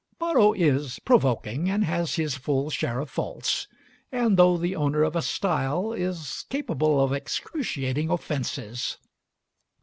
Borrow is provoking and has his full share of faults, and though the owner of a style, is capable of excruciating offences.